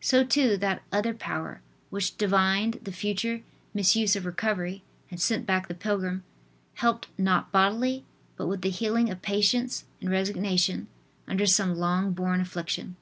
So, too, that other power, which divined the future misuse of recovery and sent back the pilgrim, helped, not bodily, but with the healing of patience and resignation, under some long borne affliction.